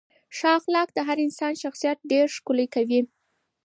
ښه اخلاق د هر انسان شخصیت ډېر ښکلی کوي.